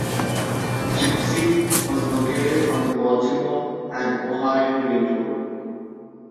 Gypsy was located on the Baltimore and Ohio Railroad.